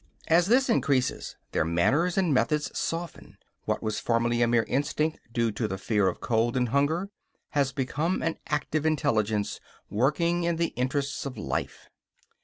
As this increases, their manners and methods soften; what was formerly a mere instinct, due to the fear of cold and hunger, has become an active intelligence, working in the interests of life.